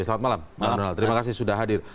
selamat malam bang donald terima kasih sudah hadir